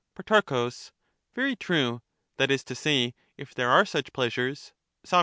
Pro. Very true ; that is to say, if there are such pleasures. Soc.